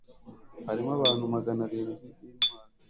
harimo abantu magana arindwi b'intwari